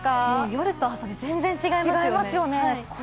夜と朝が全然違いますよね。